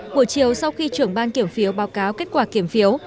buổi chiều sau khi trưởng ban kiểm phiếu báo cáo kết quả kiểm phiếu